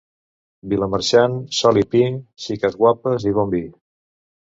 Vilamarxant, sol i pi, xiques guapes i bon vi.